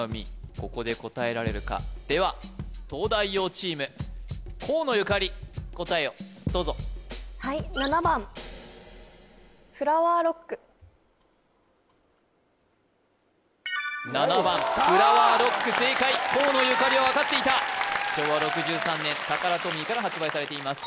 ここで答えられるかでは東大王チーム河野ゆかり答えをどうぞ７番フラワーロック正解河野ゆかりは分かっていた昭和６３年タカラトミーから発売されています